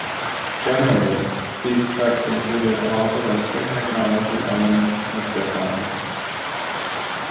Generally, these trucks included all the western technology elements of the time.